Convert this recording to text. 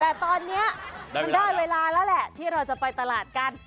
แต่ตอนนี้มันได้เวลาแล้วแหละที่เราจะไปตลาดกัน